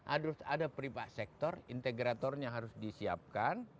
ada peribad sektor integratornya harus disiapkan